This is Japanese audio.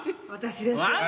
私です。